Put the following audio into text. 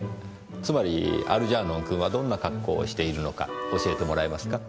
つまりアルジャーノン君はどんな格好をしているのか教えてもらえますか？